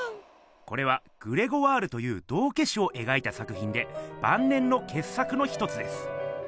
これは「グレゴワール」という道けしをえがいた作品でばん年のけっ作の一つです。